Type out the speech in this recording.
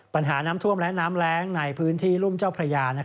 ปัญหาน้ำท่วมและน้ำแรงในพื้นที่รุ่มเจ้าพระยา